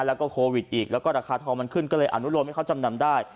แล้วก็โควิดอีกแล้วก็ราคาทองมันขึ้นก็เลยอนุโลมให้เขาจำนำได้